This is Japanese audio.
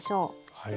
はい。